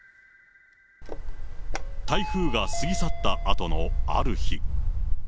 台風が過ぎ去ったあとのある日。